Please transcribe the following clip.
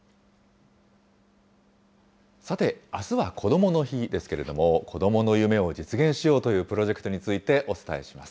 さて、あすはこどもの日ですけれども、子どもの夢を実現しようというプロジェクトについてお伝えします。